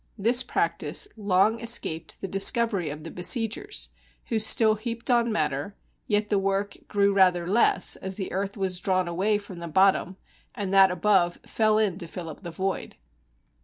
This practice long escaped the discovery of the besiegers, who still heaped on matter, yet the work grew rather less, as the earth was drawn away from the bottom, and that above fell in to fill up the void.